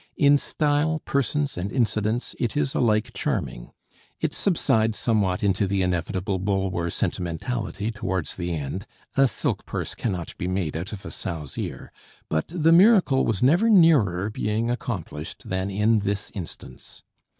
In style, persons, and incidents it is alike charming: it subsides somewhat into the inevitable Bulwer sentimentality towards the end a silk purse cannot be made out of a sow's ear; but the miracle was never nearer being accomplished than in this instance.